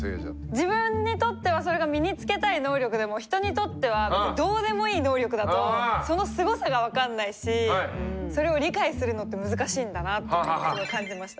自分にとってはそれが身につけたい能力でも人にとっては別にどうでもいい能力だとそのすごさが分かんないしそれを理解するのって難しいんだなっていうのをすごい感じました。